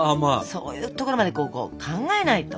そういうところまでこう考えないと。